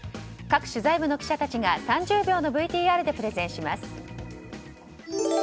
各取材部の記者たちが３０秒のＶＴＲでプレゼンします。